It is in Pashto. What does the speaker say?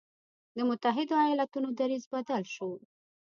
د متحدو ایالتونو دریځ بدل شو.